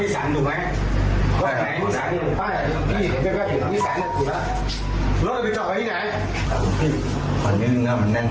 เดี๋ยวก่อนจะยืน